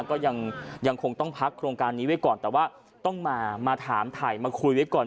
ก็ยังคงต้องพักโครงการนี้ไว้ก่อนแต่ว่าต้องมามาถามถ่ายมาคุยไว้ก่อน